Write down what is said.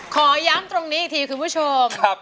ขอย้ำตรงนี้อีกทีคุณผู้ชม